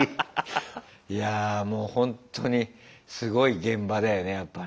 いやぁもうほんとにすごい現場だよねやっぱね。